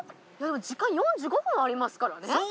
でも時間４５分ありますからね。